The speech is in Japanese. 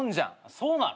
そうなの？